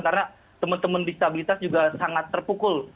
karena teman teman disabilitas juga sangat terpukul